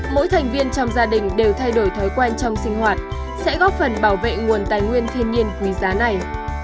mỗi thành viên trong gia đình đều thay đổi thói quen trong sinh hoạt sẽ góp phần bảo vệ nguồn tài nguyên thiên nhiên quý giá này